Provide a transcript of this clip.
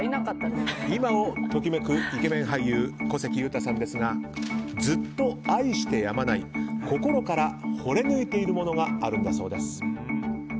今を時めくイケメン俳優小関裕太さんですがずっと愛してやまない心から惚れぬいているものがあるんだそうです。